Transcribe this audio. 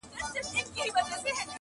عاقبت به یې مغزی پکښي ماتیږي -